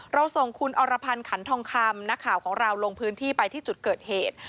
เราส่งคุณอรพันธ์ขันทองคำนักข่าวของเราลงพื้นที่ไปที่จุดเกิดเหตุ